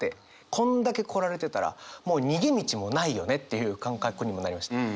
こんだけ来られてたらもう逃げ道もないよねっていう感覚にもなりました。